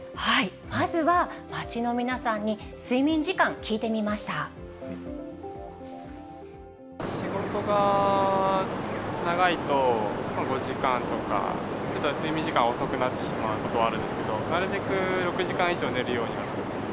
まずは、街の皆さんに睡眠時仕事が長いと、５時間とか、睡眠時間遅くなってしまうことはあるんですけど、なるべく６時間以上、寝るようにはしてます。